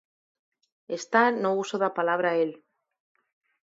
Está no uso da palabra el.